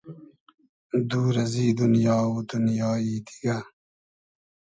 دور ازی دونیا و دونیایی دیگۂ